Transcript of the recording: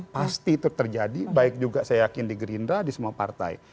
pasti itu terjadi baik juga saya yakin di gerindra di semua partai